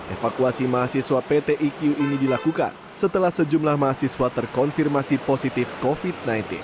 evakuasi mahasiswa pt iq ini dilakukan setelah sejumlah mahasiswa terkonfirmasi positif covid sembilan belas